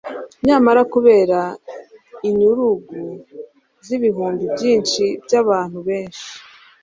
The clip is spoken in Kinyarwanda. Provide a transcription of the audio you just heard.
Nyamara kubera inyurugu z'ibihumbi byinshi by'abantu benshi